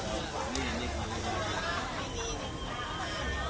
สวัสดีทุกคน